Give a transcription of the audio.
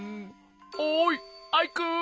おいアイくん！